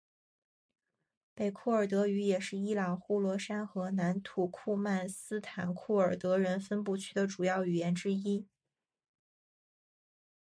北库尔德语也是伊朗呼罗珊和南土库曼斯坦库尔德人分布区的主要语言之一。